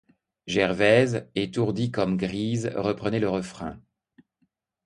Gervaise, étourdie, comme grise, reprenait le refrain.